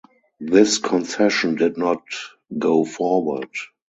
This concession did not go forward.